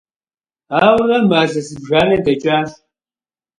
Auere maze zıbjjane deç'aş.